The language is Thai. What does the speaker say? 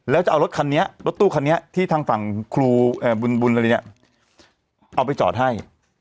แล้วจะเอารถคันนี้รถตู้คันนี้ที่ทางฝั่งครูบุญอะไรเนี่ยเอาไปจอดให้